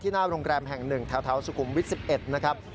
หน้าโรงแรมแห่ง๑แถวสุขุมวิทย์๑๑นะครับ